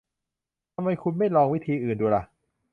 ทำไมคุณไม่ลองวิธีอื่นดูล่ะ